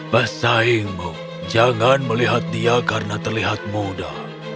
pesaingmu jangan melihat dia karena terlihat muda